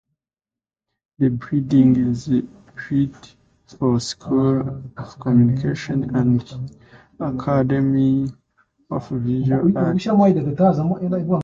The building is built for the School of Communication and Academy of Visual Arts.